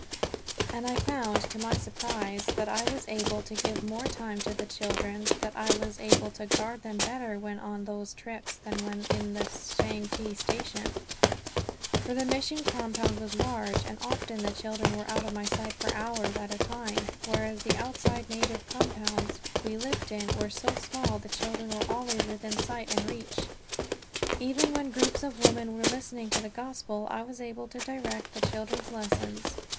And I found, to my surprise, that I was able to give more time to the children, that I was able to guard them better when on those trips than when in the Changte Station. For the mission compound was large, and often the children were out of my sight for hours at a time; whereas the outside native compounds we lived in were so small the children were always within sight and reach. Even when groups of women were listening to the Gospel, I was able to direct the children's lessons.